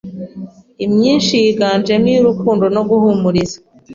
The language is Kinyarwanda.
imyinshi yiganjemo iy’urukundo no guhumuriza